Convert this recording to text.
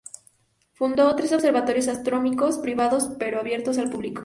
Fundó tres observatorios astronómicos privados, pero abiertos al público.